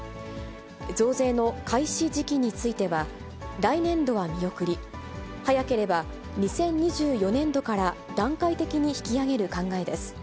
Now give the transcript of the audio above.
増税の開始時期については、来年度は見送り、早ければ２０２４年度から段階的に引き上げる考えです。